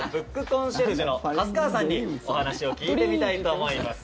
コンシェルジュの粕川さんにお話を聞いてみたいと思います。